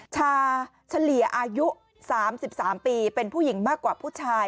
ชาเฉลี่ยอายุ๓๓ปีเป็นผู้หญิงมากกว่าผู้ชาย